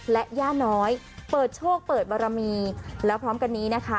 และย่าน้อยเปิดโชคเปิดบารมีแล้วพร้อมกันนี้นะคะ